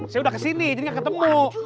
saya udah kesini jadi gak ketemu